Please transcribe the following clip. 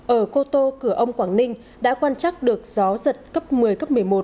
ở cô tô cửa ông quảng ninh đã quan trắc được gió giật cấp một mươi cấp một mươi một